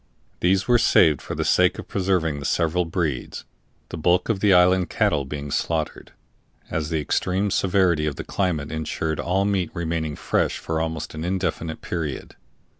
These were saved for the sake of preserving the several breeds, the bulk of the island cattle being slaughtered, as the extreme severity of the climate insured all meat remaining fresh for almost an indefinite period.